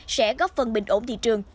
sẽ góp phần bình ổn thị trường